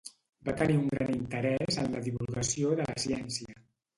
Va tenir un gran interès en la divulgació de la ciència.